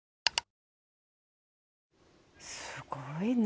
すごいな。